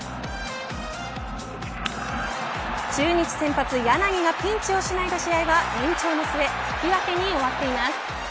中日先発柳がピンチをしのいだ試合は延長の末引き分けに終わっています。